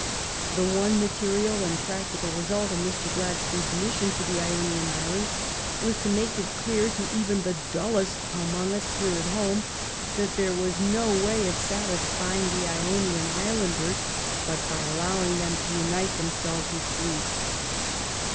The one material and practical result of Mr. Gladstone's mission to the Ionian Islands was to make it clear to even the dullest among us here at home that there was no way of satisfying the Ionian Islanders but by allowing them to unite them THE IONIAN ISLANDS 209 selves with Greece.